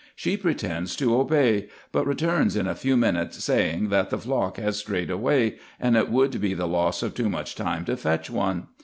She pretends to obey; but returns in a few minutes, saying, that the flock has strayed away, and it would be the loss of too much time to fetch one.